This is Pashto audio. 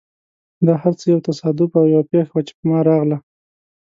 دا هر څه یو تصادف او یوه پېښه وه، چې په ما راغله.